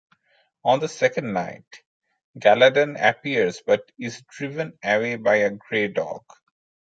On the second night, Galadan appears but is driven away by a grey dog.